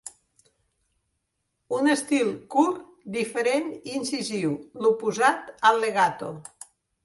Un estil curt, diferent i incisiu; l'oposat al legato